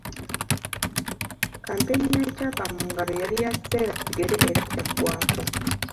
Kkampeyini ya Kyapa Mu Ngalo yali ya kiseera kigere era kyaggwako.